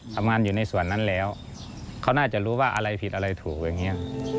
ทำงานอยู่ในส่วนนั้นแล้วเขาน่าจะรู้ว่าอะไรผิดอะไรถูกอย่างนี้